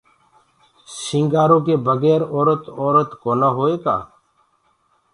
سينٚگآرو ڪي بگير اورَت اورَت ڪونآ هوئي۔